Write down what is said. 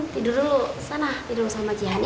tidur dulu sana tidur sama cihan ya